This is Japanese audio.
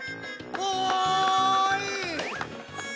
おい！